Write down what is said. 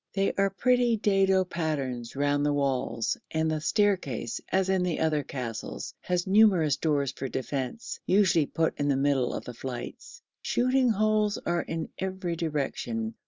There are pretty dado patterns round the walls; and the staircase, as in the other castles, has numerous doors for defence, usually put in the middle of the flights. Shooting holes are in every direction.